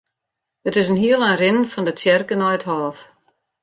It is in hiel ein rinnen fan de tsjerke nei it hôf.